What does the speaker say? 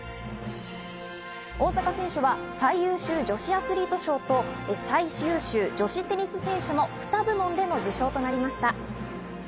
大坂選手は最優秀女子アスリート賞と最優秀女子テニス選手の２部門での受賞となりました。